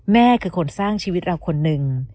แม่คือคนสร้างชีวิตเราคนหนึ่ง